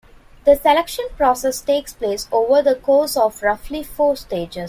The selection process takes place over the course of roughly four stages.